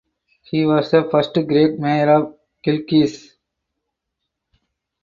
He was the first Greek mayor of Kilkis.